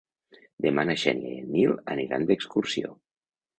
Demà na Xènia i en Nil aniran d'excursió.